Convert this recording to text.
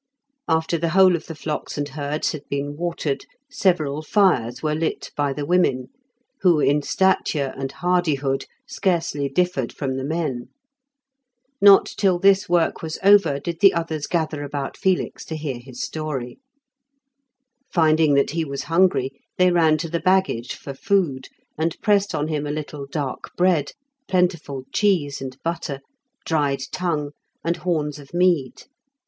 After the whole of the flocks and herds had been watered several fires were lit by the women, who in stature and hardihood scarcely differed from the men. Not till this work was over did the others gather about Felix to hear his story. Finding that he was hungry they ran to the baggage for food, and pressed on him a little dark bread, plentiful cheese and butter, dried tongue, and horns of mead.